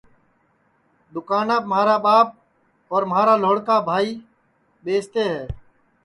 دؔوکاناپ مھارا ٻاپ اور مھارا لھوڑکوڑا بھائی ٻیستے ہے